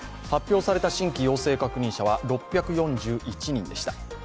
発表された新規感染者数は６４１人でした。